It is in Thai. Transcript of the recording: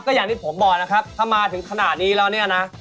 อย่างที่ผมบอกนะครับถ้ามาถึงขนาดนี้แล้วเนี่ยนะ